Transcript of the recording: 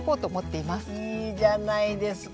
いいじゃないですか